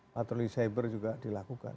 patroli cyber juga dilakukan